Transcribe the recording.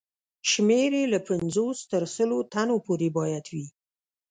شمېر یې له پنځوس تر سلو تنو پورې باید وي.